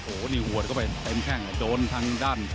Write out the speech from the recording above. โอ้โหนี่หัวเข้าไปเต็มแข้งโดนทางด้าน